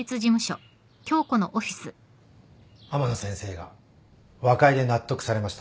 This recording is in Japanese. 天野先生が和解で納得されました。